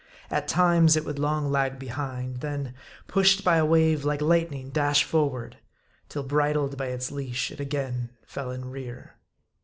At times, it would long lag behind ; then, pushed by a wave like lightning dash forward ; till bridled by its leash, it again fell in rear.